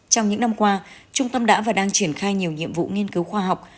trong những năm qua trung tâm đã và đang triển khai nhiều nhiệm vụ nghiên cứu khoa học